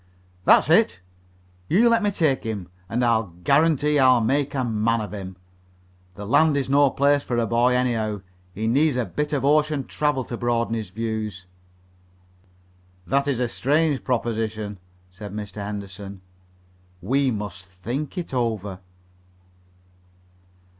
"That's it! You let me take him, and I'll guarantee I'll make a man of him. The land is no place for a boy, anyhow. He needs a bit of ocean travel to broaden his views." "That is a strange proposition," said Mr. Henderson. "We must think it over."